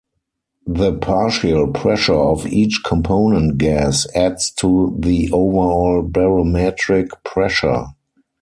The partial pressure of each component gas adds to the overall barometric pressure.